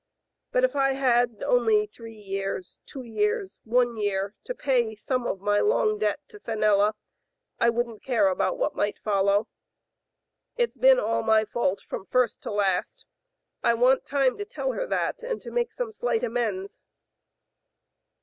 But if I had only three years, two years, one year to pay some of my long debt to Fenella, I wouldn't care about what might follow. It's been all my fault from first to last. I want time to tell her that, and to make some slight amends."